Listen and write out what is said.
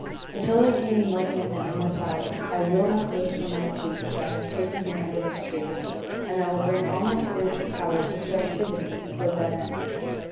Until I gain enlightenment and immortality, I will not move from my seat which I have taken here under this tree, and I will bring all my spiritual powers into activity toward that end.